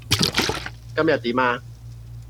今日點呀？